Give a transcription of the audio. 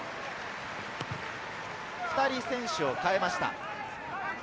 ２人選手を代えました。